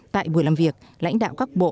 tại buổi làm việc lãnh đạo các bộ